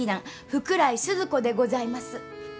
福来スズ子でございます。